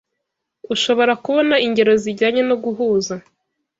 ushobora kubona ingero zijyanye no guhuza